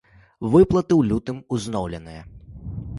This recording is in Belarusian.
Выплаты ў лютым узноўленыя.